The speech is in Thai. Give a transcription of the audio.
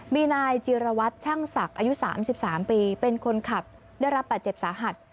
มีนายจิรวัตรชั่งศักดิ์อายุสามสิบสามปีเป็นคนขับได้รับปัดเจ็บสาหัส